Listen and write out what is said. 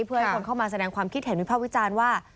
เพื่อให้คนเข้ามาแสดงความคิดเห็นวิภาควิจารณ์ว่า